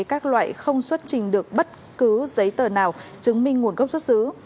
các loại không xuất trình được bất cứ giấy tờ nào chứng minh nguồn gốc xuất xứ